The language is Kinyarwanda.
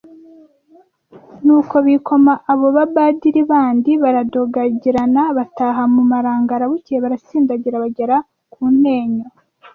Nuko bikoma abo badari bandi baradogagirana bataha mu Marangara bukeye barasindagira bagera ku Ntenyo